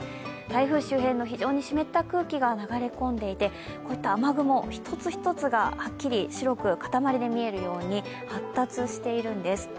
台風周辺の非常に湿った空気が流れ込んでいてこういった雨雲一つ一つが白くかたまりで見えるように発達しているんです。